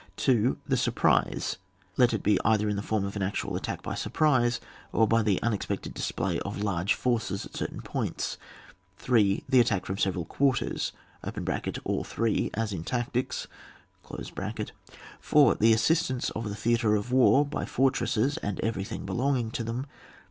2. The surprise, let it be either in the form of an actual attack by surprise or by the unexpected display of large forces at certain points. 3. The attack from several quarters (aU three, as in tactics). 4. The assistance of the theatre of war by fortresses, and everything belonging to them.